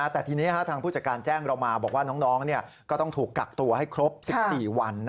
แต่ทีนี้ทางผู้จัดการแจ้งเรามาบอกว่าน้องก็ต้องถูกกักตัวให้ครบ๑๔วัน